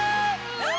うわ！